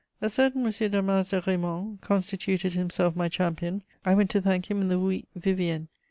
A certain M. Damaze de Raymond constituted himself my champion: I went to thank him in the Rue Vivienne.